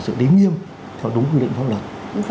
sự đếm nghiêm theo đúng quy định pháp luật